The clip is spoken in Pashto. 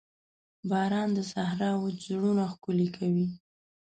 باران د صحرا وچ زړونه ښکلي کوي.